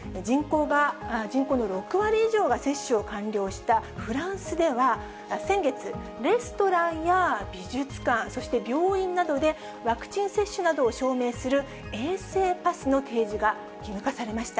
人口の６割以上の人が接種を完了したフランスでは、先月、レストランや美術館、そして病院などで、ワクチン接種などを証明する衛生パスの提示が義務化されました。